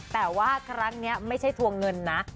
แต่ว่าครั้งนี้ไม่ใช่ทวงเงินนะ